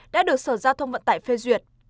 đã được sở giao thông vận tải phê duyệt